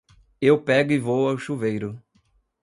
Eu pego e vou ao chuveiro.